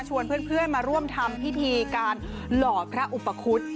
เพื่อนมาร่วมทำพิธีการหล่อพระอุปคุฎ